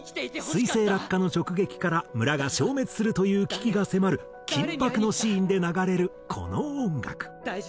彗星落下の直撃から村が消滅するという危機が迫る緊迫のシーンで流れるこの音楽。